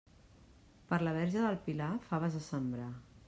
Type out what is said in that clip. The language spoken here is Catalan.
Per la Verge del Pilar, faves a sembrar.